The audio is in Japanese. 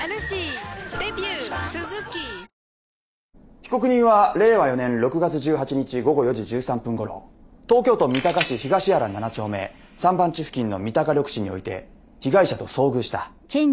被告人は令和４年６月１８日午後４時１３分ごろ東京都三鷹市東原７丁目３番地付近の三鷹緑地において被害者と遭遇した。